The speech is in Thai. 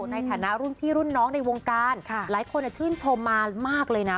ในฐานะรุ่นพี่รุ่นน้องในวงการหลายคนชื่นชมมามากเลยนะ